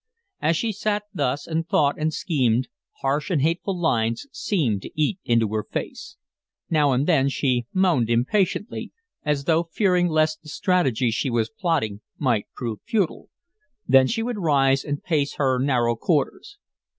As she sat thus, and thought, and schemed, harsh and hateful lines seemed to eat into her face. Now and then she moaned impatiently, as though fearing lest the strategy she was plotting might prove futile; then she would rise and pace her narrow quarters.